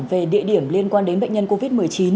về địa điểm liên quan đến bệnh nhân covid một mươi chín